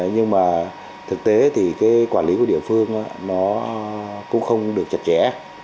nhưng mà thực tế thì cái quản lý của địa phương nó cũng không được chặt chẽ